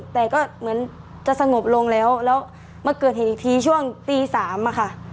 แต่ก็เหมือนจะสงบลงแล้วแล้วมาเกิดเหตุอีกทีช่วงตี๓อะค่ะ